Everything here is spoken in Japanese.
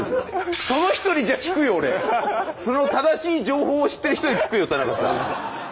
その正しい情報を知ってる人に聞くよ田中さん。